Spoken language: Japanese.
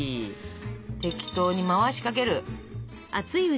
適当に回しかける。